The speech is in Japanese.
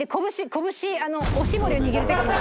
拳おしぼりを握る手がもう。